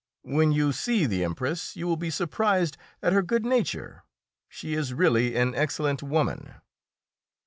"When you see the Empress you will be surprised at her good nature; she is really an excellent woman."